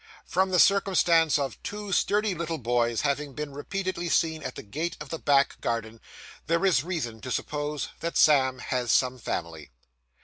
From the circumstance of two sturdy little boys having been repeatedly seen at the gate of the back garden, there is reason to suppose that Sam has some family.